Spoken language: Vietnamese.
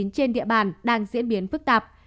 trên địa bàn đang diễn biến phức tạp